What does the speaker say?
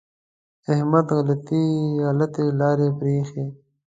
احمد غلطې لارې پرېښې.